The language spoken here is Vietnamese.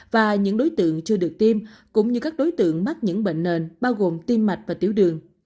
và những đối tượng chưa được tiêm cũng như các đối tượng mắc những bệnh nền bao gồm tim mạch và tiểu đường